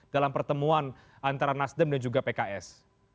dalam pertemuan antara nasdem dan juga pks